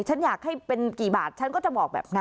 ฉันอยากให้เป็นกี่บาทฉันก็จะบอกแบบนั้น